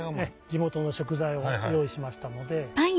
地元の食材を用意しましたので。